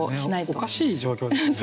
おかしい状況ですもんね。